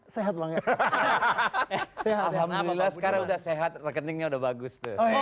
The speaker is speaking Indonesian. sehat rekeningnya udah bagus